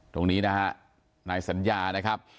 ตรงนี้นะฮะนายสัญญานะครับ